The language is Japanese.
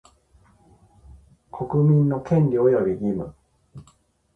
国民の権利及び義務